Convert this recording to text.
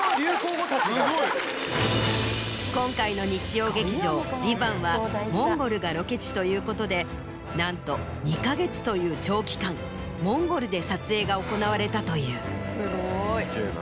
今回の日曜劇場『ＶＩＶＡＮＴ』はモンゴルがロケ地ということでなんと２か月という長期間モンゴルで撮影が行われたという。